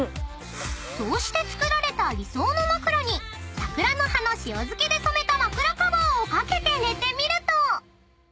［そうして作られた理想の枕に桜の葉の塩漬けで染めた枕カバーを掛けて寝てみると］